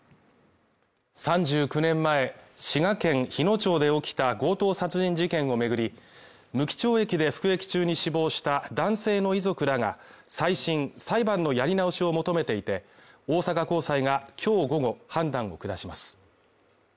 ３９年前、滋賀県日野町で起きた強盗殺人事件を巡り無期懲役で服役中に死亡した男性の遺族らが再審裁判のやり直しを求めていて、大阪高裁が今日午後判断を下します。